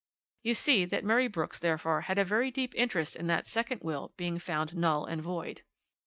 You see that Murray Brooks therefore had a very deep interest in that second will being found null and void.